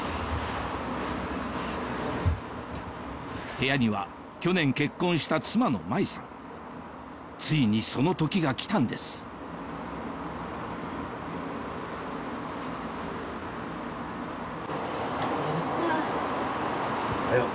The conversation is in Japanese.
部屋には去年結婚した妻の麻衣さんついにその時が来たんですうん。